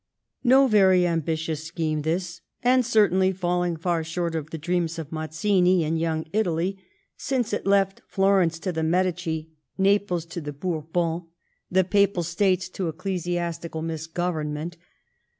'' No very ambitious scheme this, and certainly falling far short of the dreams of Mazzini and Young Italy, since it left Florence to the Medici, Naples to the Bourbons, the 122 LIFE OF VISCOUNT PALMEB8T0N. Papal States to ecclesiastioal misgoyernment.